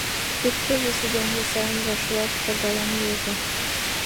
Икте-весе дене сайын, ваш-ваш пагален илыза...